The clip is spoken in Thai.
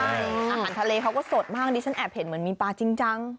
อาหารทะเลเขาก็สดมากดิฉันแอบเห็นเหมือนมีปลาจริงจัง